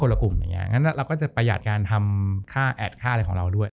งั้นเราก็จะประหยัดการทำค่าแอดค่าอะไรของเราด้วย